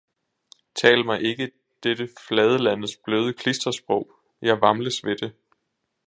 Tal mig ikke dette fladelandets bløde klistersprog, jeg vamles ved det!